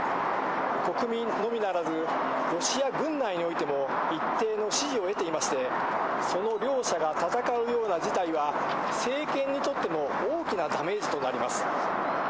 国民のみならず、ロシア軍内においても一定の支持を得ていまして、その両者が戦うような事態は、政権にとっても大きなダメージとなります。